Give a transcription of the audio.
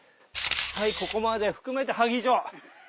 はいここまで含めて萩城。